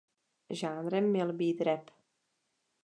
Žánrem měl být rap.